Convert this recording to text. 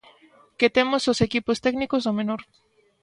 Que temos os equipos técnicos do menor.